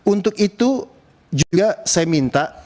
untuk itu juga saya minta